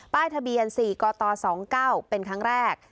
ทะเบียน๔กต๒๙เป็นครั้งแรก